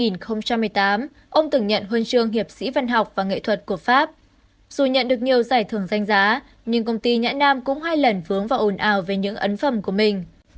dù nhận được nhiều giải thưởng danh giá nhưng công ty nhã nam cũng hai lần vướng vào ồn ào về những ấn phẩm của mình